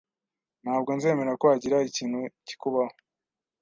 Ntabwo nzemera ko hagira ikintu kikubaho.